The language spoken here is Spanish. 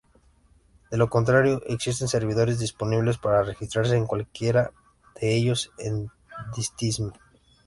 De lo contrario existen servidores disponibles para registrarse en cualquiera de ellos, es indistinto.